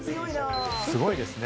すごいですね。